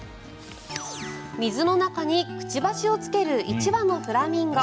水の中にくちばしをつける１羽のフラミンゴ。